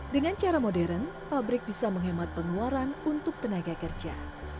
dengan cara modern pabrik bisa menghemat pengeluaran untuk tenaga kerja